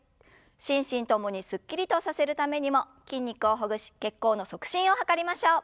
心身共にすっきりとさせるためにも筋肉をほぐし血行の促進を図りましょう。